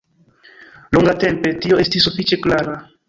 Longatempe tio estis sufiĉe klara.